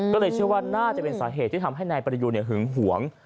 ก็เลยเชื่อว่าน่าจะเป็นสาเหตุที่ทำให้นายประยูนหึงหวง